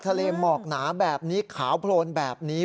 ทะเลหมอกหนาแบบนี้ขาวโพลนแบบนี้